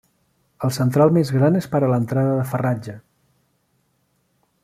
El central més gran és per a l'entrada de farratge.